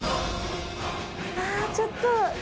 あちょっと。